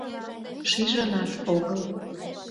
Шижынат огыл.